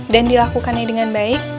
dan dilakukannya dengan baik